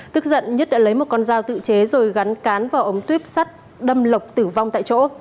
tức giận nhất đã lấy một con dao tự chế rồi gắn cán vào ống tuyếp sắt đâm lộc tử vong tại chỗ